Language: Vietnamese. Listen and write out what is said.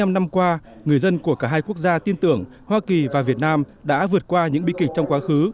bảy mươi năm năm qua người dân của cả hai quốc gia tin tưởng hoa kỳ và việt nam đã vượt qua những bi kịch trong quá khứ